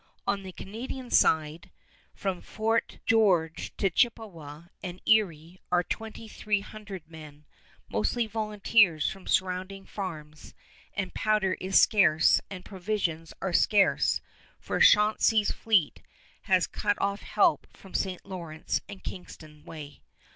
On the Canadian side, from Fort George to Chippewa and Erie, are twenty three hundred men, mostly volunteers from surrounding farms, and powder is scarce and provisions are scarce, for Chauncey's fleet has cut off help from St. Lawrence and Kingston way.